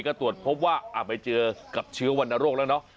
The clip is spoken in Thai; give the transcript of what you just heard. ก็ตรวจพบว่าไปเจอกับเชื้อวรรณโรคแล้วเนาะ